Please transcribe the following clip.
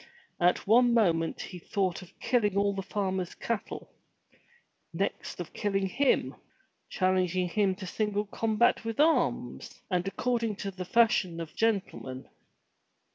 At one moment he thought of killing all the farmer's cattle; next of killing him; challenging him to single combat with the arms, and according to the fashion of gentlemen.